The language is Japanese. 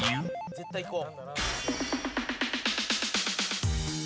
絶対いこう。